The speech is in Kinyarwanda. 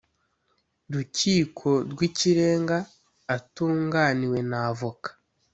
Rukiko Rw Ikirenga Atunganiwe Na Avoka